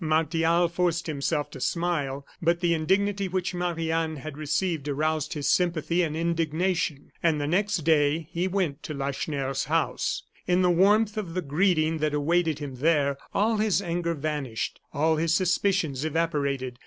Martial forced himself to smile; but the indignity which Marie Anne had received aroused his sympathy and indignation. And the next day he went to Lacheneur's house. In the warmth of the greeting that awaited him there, all his anger vanished, all his suspicions evaporated.